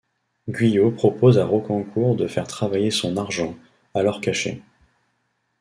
Guyot propose à Rocancourt de faire travailler son argent, alors caché.